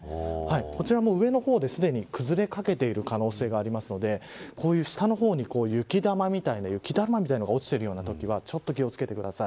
こちらも上の方ですでに崩れかけている可能性があるのでこういう下の方に雪玉みたいな落ちているときはちょっと気をつけてください。